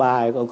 trong cuộc sống